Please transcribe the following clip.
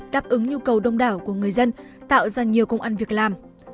đáp ứng nhu cầu đông đảo của người dân tạo ra nhiều công ăn việc làm